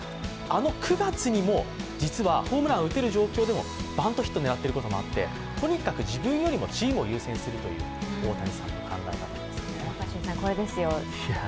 あの９月にも実はホームランを打てる状況でもバントヒット狙ってるところもあって、とにかく自分よりチームを優先するという若新さん、これですよ。